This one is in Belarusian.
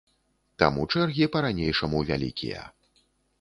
Таму чэргі па-ранейшаму вялікія.